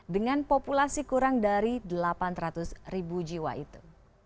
dengan populasi kurang dari delapan ratus ribu jiwa itu